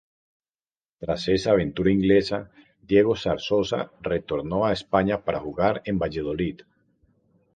Tras esa aventura inglesa, Diego Zarzosa retornó a España para jugar en Valladolid.